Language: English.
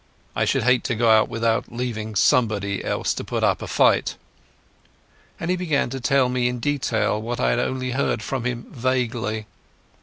I should hate to go out without leaving somebody else to put up a fight." And he began to tell me in detail what I had only heard from him vaguely.